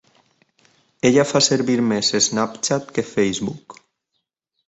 Ella fa servir més SnapChat que Facebook